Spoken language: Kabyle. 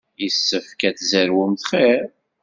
Yessefk ad tzerwemt xir.